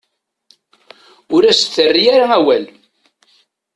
Ur as-d-terri ara awal.